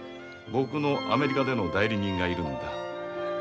僕のアメリカでの代理人がいるんだ。